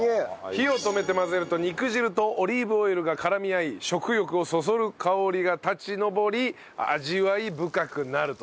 火を止めて混ぜると肉汁とオリーブオイルが絡み合い食欲をそそる香りが立ちのぼり味わい深くなると。